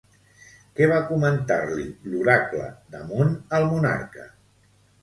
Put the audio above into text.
Què va comentar-li l'oracle d'Ammon al monarca?